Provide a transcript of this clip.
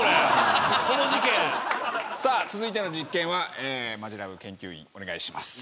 さぁ続いての実験はマヂラブ研究員お願いします。